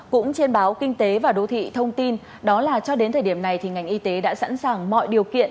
cũng trên báo kinh tế và đô thị thông tin đó là cho đến thời điểm này thì ngành y tế đã sẵn sàng mọi điều kiện